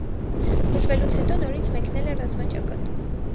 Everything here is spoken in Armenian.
Բուժվելուց հետո նորից մեկնել է ռազմաճակատ։